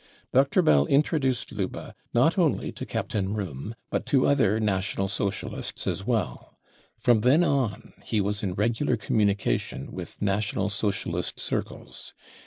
Dr? Bell introduced Lubbe not only to Captain Rohm, but to other National Socialists as well. From then on he was in regular communication with National Socialist circles.